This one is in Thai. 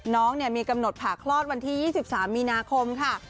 น้องมีกำหนดผ่าคลอดวันที่๒๓มีนาคมค่ะ